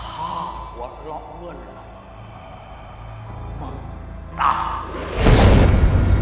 ถ้าหัวเราะเมื่อไหนมันตาย